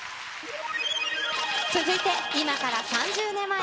続いて、今から３０年前。